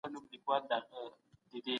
د مطالعې له برکته مې تحلیل پیاوړی سو.